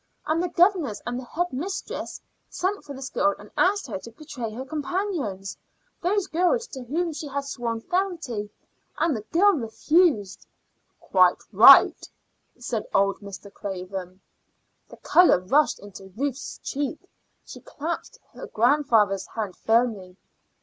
And the governors and the head mistress sent for this girl and asked her to betray her companions those girls to whom she had sworn fealty and the girl refused." "Quite right," said old Mr. Craven. The color rushed into Ruth's cheeks. She clasped her grandfather's hand firmly.